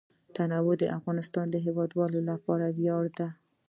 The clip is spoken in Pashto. تنوع د افغانستان د هیوادوالو لپاره ویاړ دی.